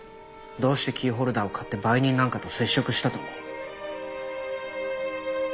どうしてキーホルダーを買って売人なんかと接触したと思う？